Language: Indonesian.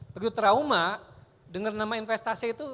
begitu trauma denger nama investasi itu